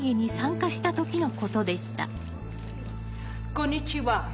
こんにちは。